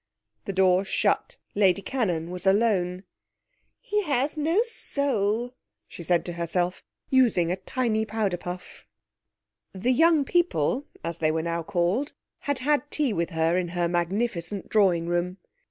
The door shut. Lady Cannon was alone. 'He has no soul,' she said to herself, using a tiny powder puff. The young people, as they were now called, had had tea with her in her magnificent drawing room.